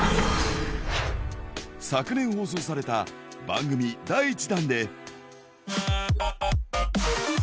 昨年放送された番組第１弾で。